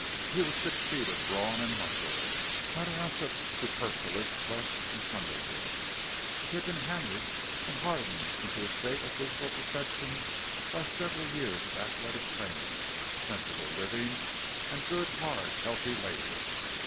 He was six feet of brawn and muscle; not an ounce of superfluous flesh encumbered him he had been hammered and hardened into a state of physical perfection by several years of athletic training, sensible living, and good, hard, healthy labor.